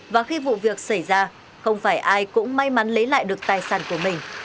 và khi vụ việc xảy ra không phải ai cũng may mắn lấy lại được tài sản của mình